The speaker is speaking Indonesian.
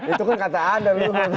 itu kan kata anda